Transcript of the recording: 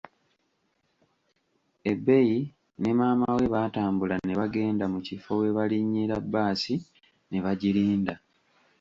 Ebei ne maama we baatambula ne bagenda mu kifo we balinyira bbaasi ne bagirinda.